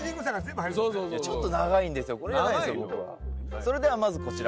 それではまずこちら。